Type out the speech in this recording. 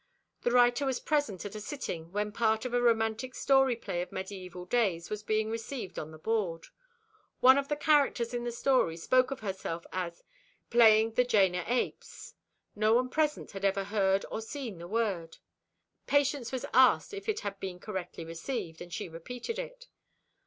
The writer was present at a sitting when part of a romantic story play of medieval days was being received on the board. One of the characters in the story spoke of herself as "playing the jane o' apes." No one present had ever heard or seen the word. Patience was asked if it had been correctly received, and she repeated it.